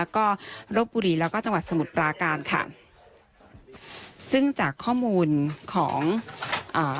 ก็รบบุรีแล้วก็จังหวัดสมุทรปราการค่ะซึ่งจากข้อมูลของอ่า